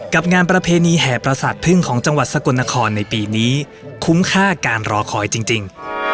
งานประเพณีแห่ประสาทพึ่งของจังหวัดสกลนครในปีนี้คุ้มค่าการรอคอยจริง